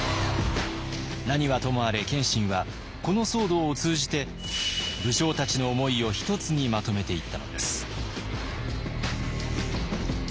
何はともあれ謙信はこの騒動を通じて武将たちの思いを一つにまとめていったのです。